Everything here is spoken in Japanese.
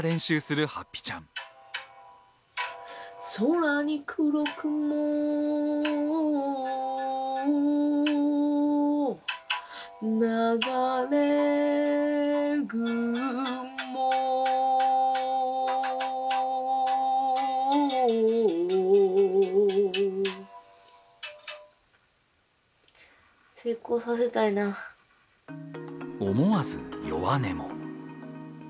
空に黒雲流れ雲思わず弱音も。